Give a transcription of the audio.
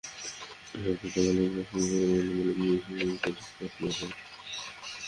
এসব প্লটের মালিকেরা শিল্প করবেন বলে বিসিকের কাছ থেকে প্লট নিয়েছিলেন।